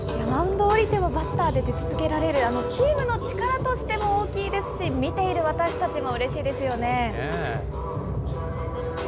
マウンドを降りても、バッターで出続けられる、チームの力としても大きいですし、見ている私たちもうれしいですよね。